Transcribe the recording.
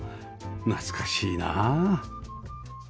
懐かしいなあ